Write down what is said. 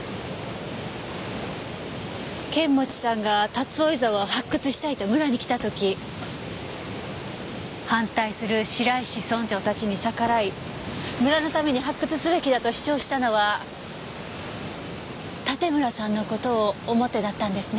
剣持さんが竜追沢を発掘したいと村に来た時反対する白石村長たちに逆らい村のために発掘すべきだと主張したのは盾村さんの事を思ってだったんですね。